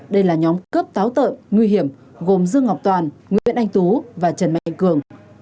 đây là nhóm cướp táo tợn nguy hiểm gồm dương ngọc toàn nguyễn anh tú và trần mạnh cường